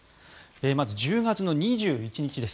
まず１０月２１日です。